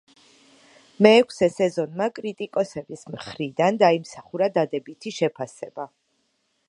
მეექვსე სეზონმა კრიტიკოსების მხრიდან დაიმსახურა დადებითი შეფასება.